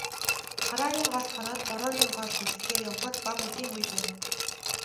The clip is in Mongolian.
Хараагийн голд хоноод, Бороогийн голд үлдэхээр явахад бага үдийн үе байв.